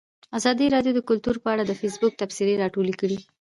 ازادي راډیو د کلتور په اړه د فیسبوک تبصرې راټولې کړي.